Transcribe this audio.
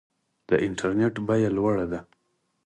د انټرنیټ بیه لوړه ده؟